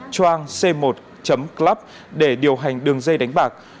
trangc một club để điều hành đường dây đánh bạc